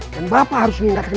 dan bapak harus mengingatkan kamu